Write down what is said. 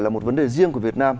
là một vấn đề riêng của việt nam